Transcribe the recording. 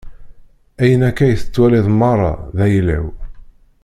Ayen akka i tettwaliḍ meṛṛa, d ayla-w.